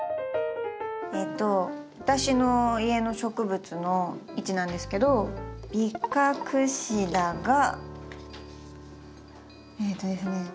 えと私の家の植物の位置なんですけどビカクシダがえとですね